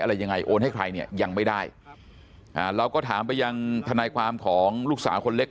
อะไรยังไงโอนให้ใครเนี่ยยังไม่ได้อ่าเราก็ถามไปยังทนายความของลูกสาวคนเล็ก